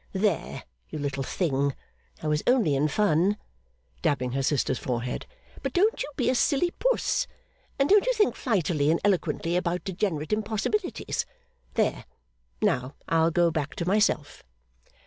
There, you little thing, I was only in fun,' dabbing her sister's forehead; 'but don't you be a silly puss, and don't you think flightily and eloquently about degenerate impossibilities. There! Now, I'll go back to myself.